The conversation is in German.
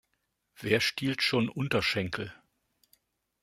Wer stiehlt schon Unterschenkel?